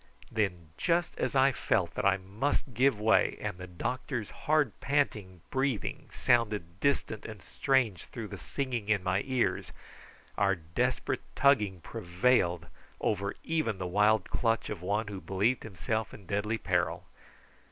Then just as I felt that I must give way, and the doctor's hard panting breathing sounded distant and strange through the singing in my ears, our desperate tugging prevailed over even the wild clutch of one who believed himself in deadly peril.